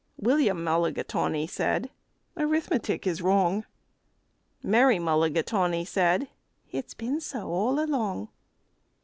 William Mulligatawny said, "Arithmetic is wrong." Mary Mulligatawny said, "It's been so all along."